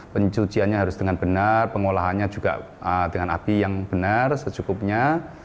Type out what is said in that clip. pencuciannya harus dengan benar pengolahannya juga dengan api yang benar secukupnya